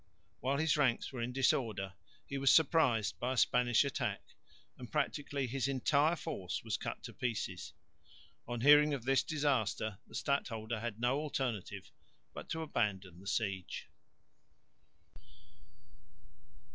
While his ranks were in disorder he was surprised by a Spanish attack, and practically his entire force was cut to pieces. On hearing of this disaster the stadholder had no alternative but to abandon the siege.